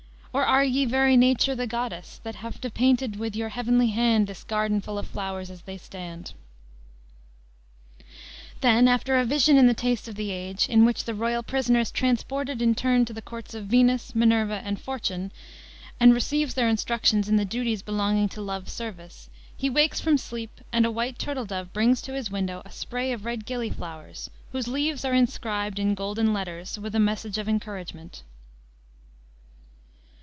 Or are ye very Nature, the goddéss, That have depainted with your heavenly hand This garden full of flowrës as they stand?" Then, after a vision in the taste of the age, in which the royal prisoner is transported in turn to the courts of Venus, Minerva, and Fortune, and receives their instruction in the duties belonging to Love's service, he wakes from sleep and a white turtle dove brings to his window a spray of red gillyflowers, whose leaves are inscribed, in golden letters, with a message of encouragement.